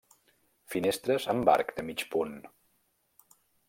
Finestres amb arc de mig punt.